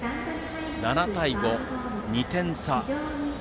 ７対５、２点差。